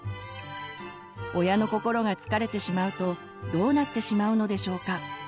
親の心が疲れてしまうとどうなってしまうのでしょうか。